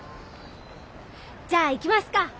じゃあ行きますか。